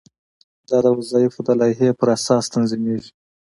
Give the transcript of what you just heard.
دا د وظایفو د لایحې په اساس تنظیمیږي.